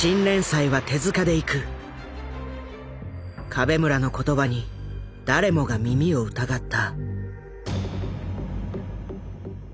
壁村の言葉に誰もが耳を疑った。